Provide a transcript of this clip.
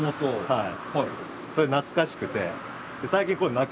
はい。